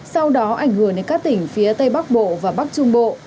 sau đó ảnh hưởng đến các tỉnh phía tây bắc bộ và bắc trung bộ